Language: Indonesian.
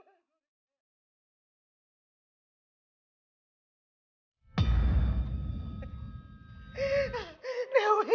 terjata selama ini